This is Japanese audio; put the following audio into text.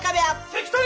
関取！